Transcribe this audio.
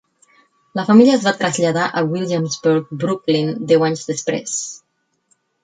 La família es va traslladar a Williamsburg, Brooklyn, deu anys després.